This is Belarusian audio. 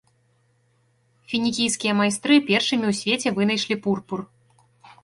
Фінікійскія майстры першымі ў свеце вынайшлі пурпур.